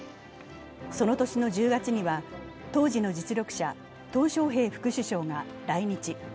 その年の１０月には、当時の実力者・トウ小平副首相が来日。